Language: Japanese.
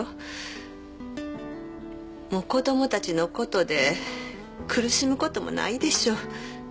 もう子供たちの事で苦しむ事もないでしょう。